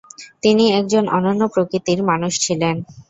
তিনি একজন অনন্য প্রকৃতির মানুষ ছিলেন।